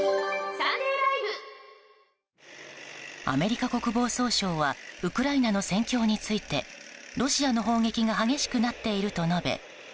アメリカ国防総省はウクライナの戦況についてロシアの砲撃が激しくなっていると述べ